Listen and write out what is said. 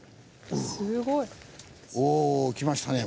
すごい。お。